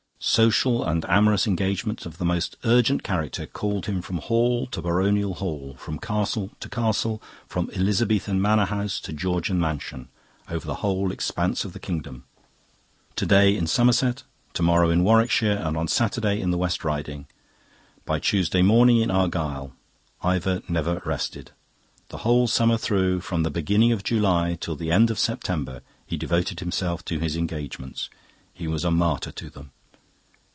Social and amorous engagements of the most urgent character called him from hall to baronial hall, from castle to castle, from Elizabethan manor house to Georgian mansion, over the whole expanse of the kingdom. To day in Somerset, to morrow in Warwickshire, on Saturday in the West riding, by Tuesday morning in Argyll Ivor never rested. The whole summer through, from the beginning of July till the end of September, he devoted himself to his engagements; he was a martyr to them.